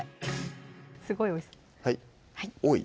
すごいおいしそう多い？